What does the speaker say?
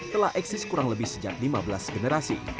telah eksis kurang lebih sejak lima belas generasi